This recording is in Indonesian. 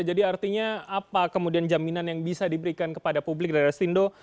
jadi artinya apa kemudian jaminan yang bisa diberikan kepada publik rada restindo